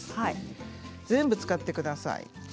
全部使ってください。